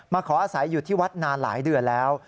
ขออาศัยอยู่ที่วัดนานหลายเดือนแล้ว